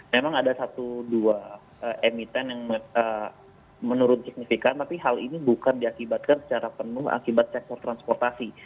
memang ada satu dua emiten yang menurun signifikan tapi hal ini bukan diakibatkan secara penuh akibat sektor transportasi